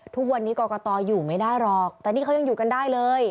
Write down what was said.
ทุกวันนี้กรกตอยู่ไม่ได้หรอกแต่นี่เขายังอยู่กันได้เลย